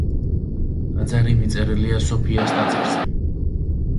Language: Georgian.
ტაძარი მიწერილია სოფიას ტაძარზე.